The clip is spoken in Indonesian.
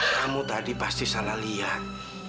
kamu tadi pasti salah lihat